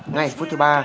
ngày phút thứ ba